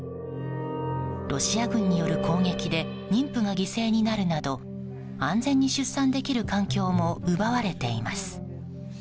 ロシア軍による攻撃で妊婦が犠牲になるなど安全に出産できる環境も奪われています。